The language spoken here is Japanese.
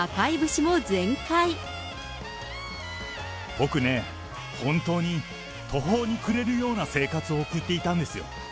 僕ね、本当に途方に暮れるような生活を送っていたんですよ。